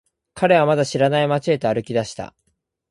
彼はまだ知らない街へと歩き出した。